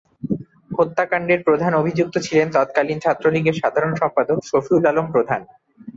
হত্যাকাণ্ডের প্রধান অভিযুক্ত ছিলেন তৎকালীন ছাত্রলীগের সাধারণ সম্পাদক শফিউল আলম প্রধান।